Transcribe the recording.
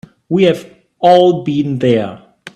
We've all been there.